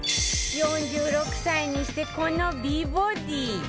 ４６歳にして、この美ボディー。